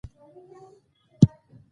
کتاب د ذهن انځور دی.